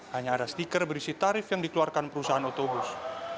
hanya ada stiker berisi tarif yang dikeluarkan perusahaan otobus